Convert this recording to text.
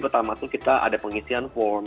termasuk kita ada pengisian form